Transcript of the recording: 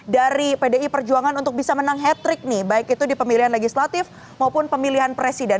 dari pdi perjuangan untuk bisa menang hat trick nih baik itu di pemilihan legislatif maupun pemilihan presiden